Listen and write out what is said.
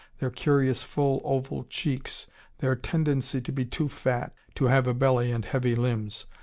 Their curious full oval cheeks, their tendency to be too fat, to have a belly and heavy limbs.